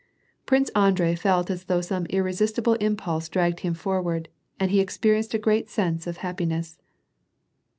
Prince, Andrei felt as though some irresisti ble impulse dragged him forward, and he experienced a great sense of happiness.